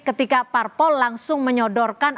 ketika parpol langsung menyodorkan